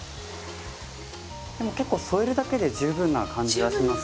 でも結構添えるだけで十分な感じがします。